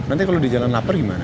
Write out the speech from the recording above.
nanti kalau dijalan lapar gimana